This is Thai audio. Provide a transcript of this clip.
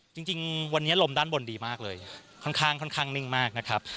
จริงวันนี้ลมด้านบนดีมากเลยค่อนข้างค่อนข้างนิ่งมากนะครับ